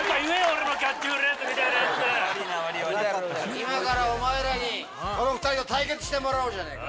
今からお前らにこの２人と対決してもらおうじゃねえか。